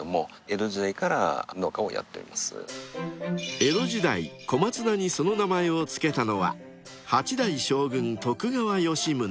［江戸時代小松菜にその名前を付けたのは八代将軍徳川吉宗］